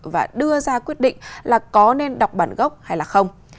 và đưa ra quyết định là có nên đọc bản gốc hay là không